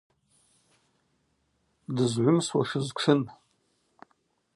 Дызгӏвымсуашыз тшын.